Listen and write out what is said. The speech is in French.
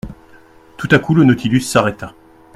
Tout à coup le Nautilus s'arrêta.